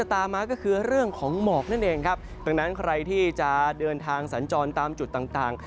ตรงนั้นใครที่จะเลิ่นทางสะน้ำจำตามจุดต่าง